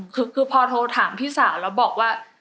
คือพอโทรถามพี่สาวแล้วบอกว่า